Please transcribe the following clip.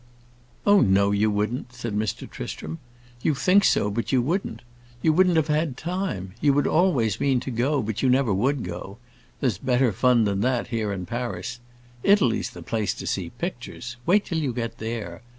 "Oh, no you wouldn't!" said Mr. Tristram. "You think so, but you wouldn't. You wouldn't have had time. You would always mean to go, but you never would go. There's better fun than that, here in Paris. Italy's the place to see pictures; wait till you get there.